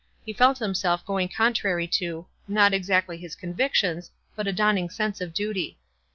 He felt himself going contrary to — not exactly his convictions, but a dawning sense of duty.